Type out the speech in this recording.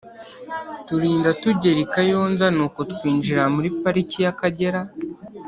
turinda tugera i Kayonza nuko twinjira muri Pariki y’Akagera.